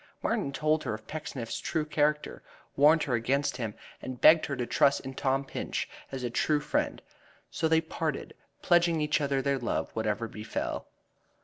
Martin told her of Pecksniff's true character, warned her against him, and begged her to trust in Tom Pinch as a true friend. So they parted, pledging each other their love whatever befell.